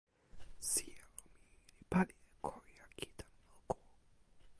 sijelo mi li pali e ko jaki tan moku.